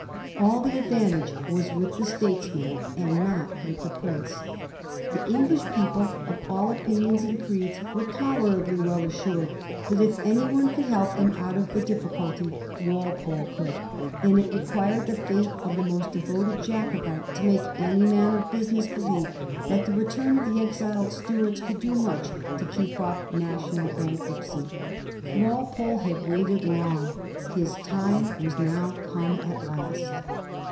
All the advantage was with the statesman and not with the Prince, The English people of all opioions and creeds were tolerably well assured that if any one could help them out of the difficulty, Walpole could ; and it required the faith of the most devoted Jacobite to VOL. L s Digiti zed by Google 258 A HISTORY OF THE FOUR GEORGES. ch, xi. make any man of business believe that the return of the exiled Stuarts could do much to keep oflF national bankruptcy. Walpole had waited long. His time was now come at last.